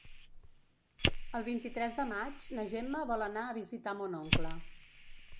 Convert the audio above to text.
El vint-i-tres de maig na Gemma vol anar a visitar mon oncle.